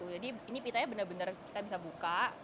jadi ini pitanya benar benar kita bisa buka